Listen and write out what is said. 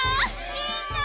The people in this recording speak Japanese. みんな！